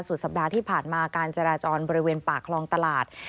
สัปดาห์ที่ผ่านมาการจราจรบริเวณปากคลองตลาด